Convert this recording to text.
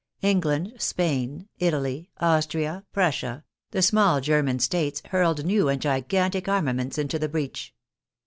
England, Spain, Italy, Austria, Prussia, the small German States, hurled new and gigantic armaments into the breach.